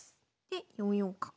で４四角。